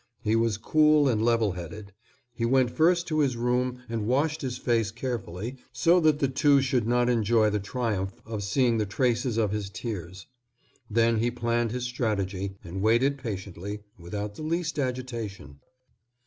He was cool and level headed. He went first to his room and washed his face carefully so that the two should not enjoy the triumph of seeing the traces of his tears. Then he planned his strategy and waited patiently, without the least agitation.